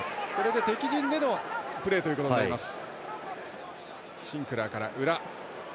敵陣でのプレーとなります。